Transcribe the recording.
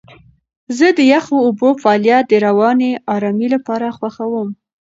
زه د یخو اوبو فعالیت د رواني آرامۍ لپاره خوښوم.